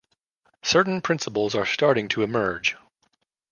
Certain principles are starting to emerge.